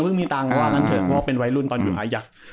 มีตังค์ว่างั้นเถอะเพราะว่าเป็นวัยรุ่นตอนอยู่อายักษ์